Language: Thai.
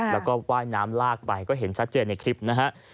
แล้วก็ว่ายน้ำลากไปก็เห็นชัดเจนในคลิปนะฮะ